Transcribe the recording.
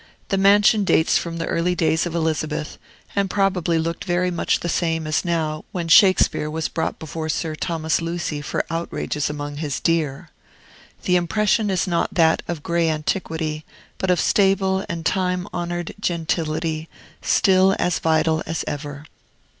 The mansion dates from the early days of Elizabeth, and probably looked very much the same as now when Shakespeare was brought before Sir Thomas Lucy for outrages among his deer. The impression is not that of gray antiquity, but of stable and time honored gentility, still as vital as ever.